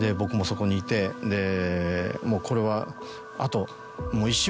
「もうこれは」。